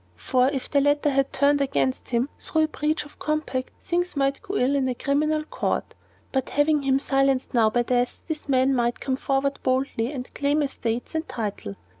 For if the latter had turned against him, through a breach of compact, things might go ill in a criminal court; but having him silenced now by death, this man might come forward boldly and claim estates and title.